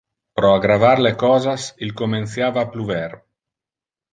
Pro aggravar le cosas, il comenciava a pluver.